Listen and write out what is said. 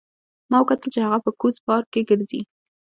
ما وکتل چې هغه په کوز پارک کې ګرځي